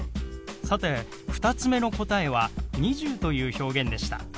さて２つ目の答えは「２０」という表現でした。